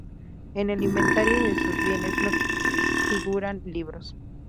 En el inventario de sus bienes no figuran libros.